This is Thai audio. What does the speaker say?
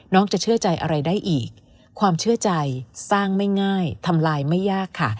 จะเชื่อใจอะไรได้อีกความเชื่อใจสร้างไม่ง่ายทำลายไม่ยากค่ะ